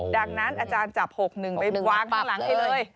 ดังนั้นอาจารย์จับ๖๑ไปวางข้างหลังให้เลย